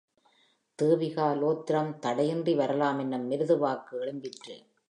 தேவிகா லோத்திரம் தடையின்றி வரலாம் என்னும் மிருது வாக்கு எழும்பிற்று.